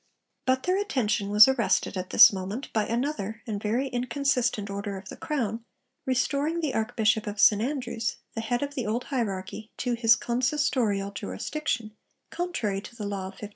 But their attention was arrested at this moment by another and very inconsistent order of the Crown restoring the Archbishop of St Andrews, the head of the old hierarchy, to his consistorial jurisdiction, contrary to the law of 1560.